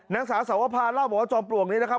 นางสาวสวภาเล่าบอกว่าจอมปลวกนี้นะครับ